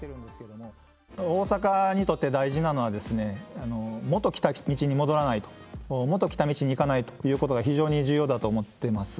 大阪にとって大事なのはですね、元来た道に戻らないと、元来た道に行かないということが非常に重要だと思ってます。